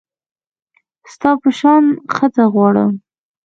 ستا په شان ښځه غواړم